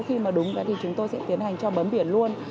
khi mà đúng vé thì chúng tôi sẽ tiến hành cho bấm biển luôn